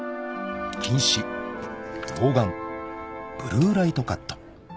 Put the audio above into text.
［近視老眼ブルーライトカット］